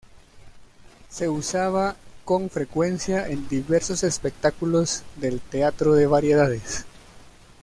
Se usaba con frecuencia en diversos espectáculos del teatro de variedades.